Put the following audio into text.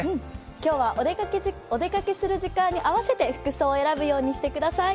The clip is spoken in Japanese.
今日はお出かけする時間に合わせて服装を選ぶようにしてください。